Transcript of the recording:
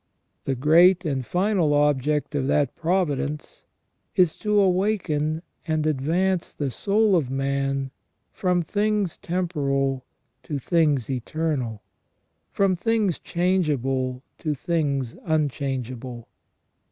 The great and final object of that providence is to awaken and advance the soul of man from things temporal to things eternal ; from things changeable to things unchangeable.